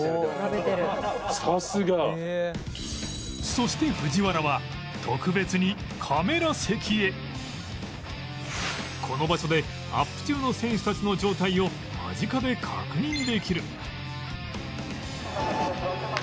そして藤原はこの場所でアップ中の選手たちの状態を間近で確認できる